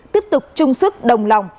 tiếp tục chung sức đồng lòng